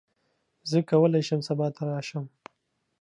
زه کولی شم سبا ته راشم.